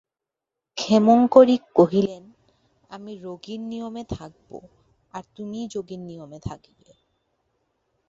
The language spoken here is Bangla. ক্ষেমংকরী কহিলেন, আমি রোগীর নিয়মে থাকিব, আর তুমিই যোগীর নিয়মে থাকিবে।